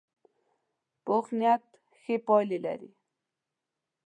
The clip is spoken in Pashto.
پوخ نیت ښې پایلې لري